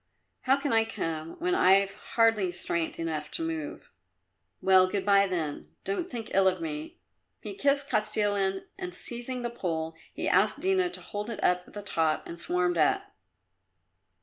How can I come when I've hardly strength enough to move?" "Well, good bye, then. Don't think ill of me." He kissed Kostilin, and seizing the pole, he asked Dina to hold it at the top and swarmed up.